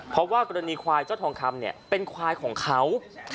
เพราะว่ากรณีควายเจ้าทองคำเนี่ยเป็นควายของเขา